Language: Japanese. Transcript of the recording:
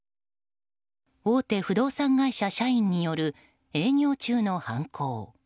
大手不動産会社社員による営業中の犯行。